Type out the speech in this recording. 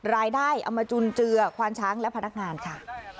เอามาจุนเจือควานช้างและพนักงานค่ะ